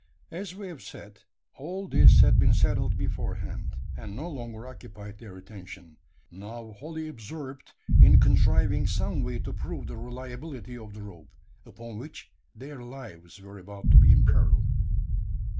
As we have said, all this had been settled beforehand; and no longer occupied their attention now wholly absorbed in contriving some way to prove the reliability of the rope, upon which their lives were about to be imperilled.